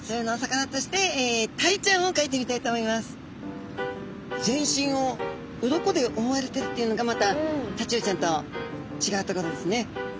では全身を鱗で覆われているっていうのがまたタチウオちゃんと違うところですね。